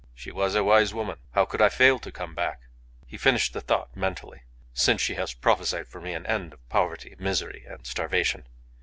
"She was a wise woman. How could I fail to come back ?" He finished the thought mentally: "Since she has prophesied for me an end of poverty, misery, and starvation."